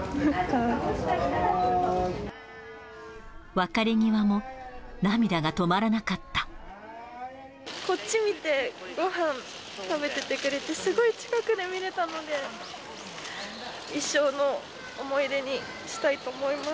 別れ際も、涙が止まらなかっこっち見て、ごはん食べててくれて、すごい近くで見れたので、一生の思い出にしたいと思います。